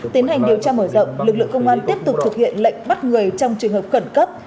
tiến hành điều tra mở rộng lực lượng công an tiếp tục thực hiện lệnh bắt người trong trường hợp khẩn cấp